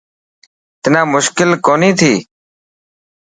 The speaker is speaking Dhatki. تنا مشڪل ڪوني ٿي.